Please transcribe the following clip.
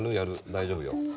大丈夫よ。